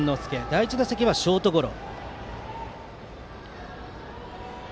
第１打席はショートゴロ。